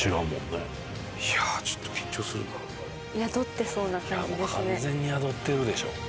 いやもう完全に宿ってるでしょ。